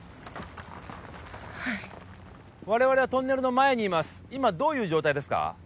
はい我々はトンネルの前にいます今どういう状態ですか？